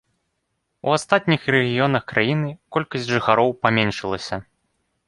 У астатніх рэгіёнах краіны колькасць жыхароў паменшылася.